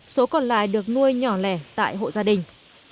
số còn lại được nuôi nhỏ lẻ tại hộ gia đình